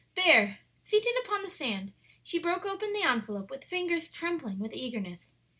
There, seated upon the sand, she broke open the envelope with fingers trembling with eagerness.